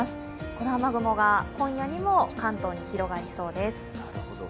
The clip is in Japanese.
この雨雲が今夜にも関東に広がりそうです。